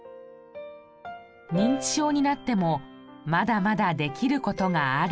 認知症になってもまだまだできる事がある。